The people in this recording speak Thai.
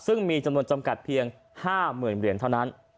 ซึ่งมีจำนวนจำกัดเพียง๕๐๐๐เหรียญเท่านั้น